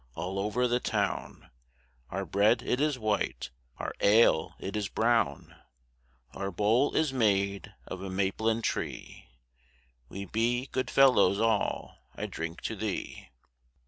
all over the town, Our bread it is white, our ale it is brown; Our bowl is made of a maplin tree; We be good fellows all; I drink to thee.